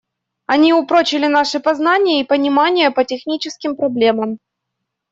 Они упрочили наши познания и понимания по техническим проблемам.